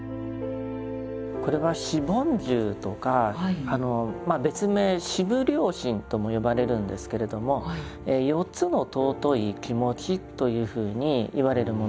これは「四梵住」とか別名「四無量心」とも呼ばれるんですけれども４つの尊い気持ちというふうにいわれるものです。